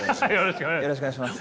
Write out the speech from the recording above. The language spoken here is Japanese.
よろしくお願いします。